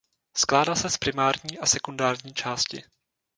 Skládá se z primární a sekundární části.